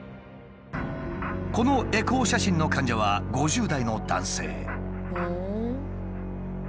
このエコー写真の患者は５０代の男性。